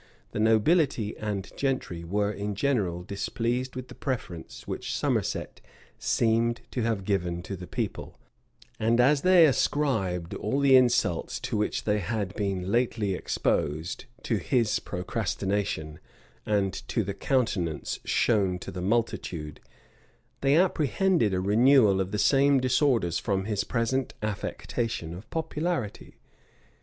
The nobility and gentry were in general displeased with the preference which Somerset seemed to have given to the people; and as they ascribed all the insults to which they had been lately exposed to his procrastination, and to the countenance shown to the multitude, they apprehended a renewal of the same disorders from his present affectation of popularity.